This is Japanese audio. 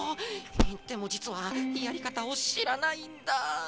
でもじつはやりかたをしらないんだ。